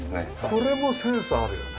これもセンスあるよね。